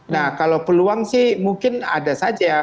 nah kalau peluang sih mungkin ada saja